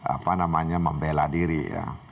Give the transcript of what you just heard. apa namanya membela diri ya